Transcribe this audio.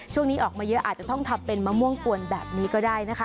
ช่วงนี้ออกมาเยอะอาจจะต้องทำเป็นมะม่วงกวนแบบนี้ก็ได้นะคะ